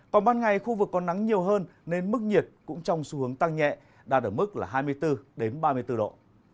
còn ban ngày khu vực có nắng nhiều hơn nên mức nhiệt cũng trong xu hướng tăng nhẹ đạt ở mức hai mươi bốn ba mươi bốn độ